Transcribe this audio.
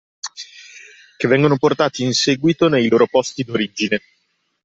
Che vengono portati in seguito nei loro posti d’origine.